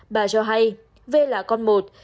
bà cho hay v là con một